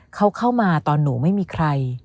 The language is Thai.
เขาเข้ามาตอนหนูไม่มีใคร